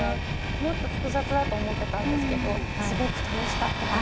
もっと複雑だと思ってたんですけどすごく楽しかったです。